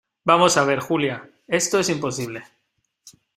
vamos a ver, Julia , esto es imposible.